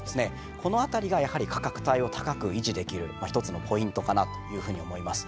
この辺りがやはり価格帯を高く維持できる一つのポイントかなというふうに思います。